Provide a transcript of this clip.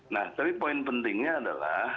nah tapi poin pentingnya adalah